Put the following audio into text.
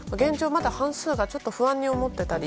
まだ半数がちょっと不安に思っていたり